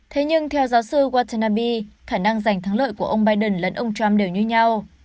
thế nhưng theo giáo sư watanaby khả năng giành thắng lợi của ông biden lẫn ông trump đều như nhau